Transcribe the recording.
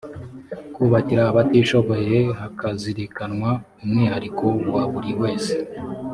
kubakira abatishoboye hakazirikanwa umwihariko wa buri wese